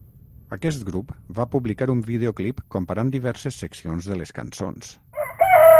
Aquest grup va publicar un videoclip comparant diverses seccions de les cançons.